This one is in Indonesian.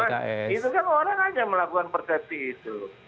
itu kan orang aja melakukan persepsi itu